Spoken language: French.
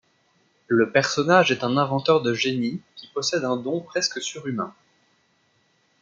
Le personnage est un inventeur de génie qui possède un don presque surhumain.